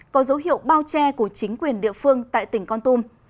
có dấu hiệu bao che của chính quyền địa phương tại tỉnh con tum